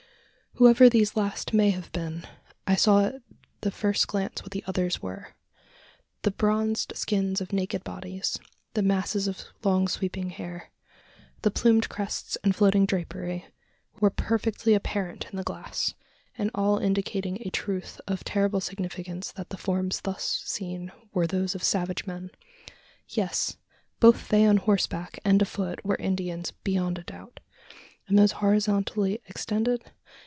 Whoever these last may have been, I saw at the first glance what the others were. The bronzed skins of naked bodies the masses of long sweeping hair the plumed crests and floating drapery were perfectly apparent in the glass and all indicating a truth of terrible significance that the forms thus seen were those of savage men! Yes: both they on horseback and afoot were Indians beyond a doubt. And those horizontally extended?